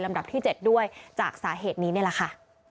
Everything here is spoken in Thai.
ดับที่๗ด้วยจากสาเหตุนี้นี่แหละค่ะ